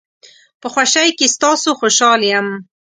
په خوشۍ کې ستاسو خوشحال یم.